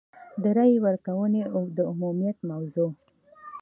د رایې ورکونې د عمومیت موضوع.